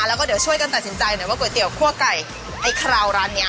แล้วก็เดี๋ยวช่วยกันตัดสินใจหน่อยว่าก๋วยเตี๋คั่วไก่ไอ้คราวร้านนี้